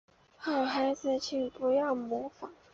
好孩子请不要模仿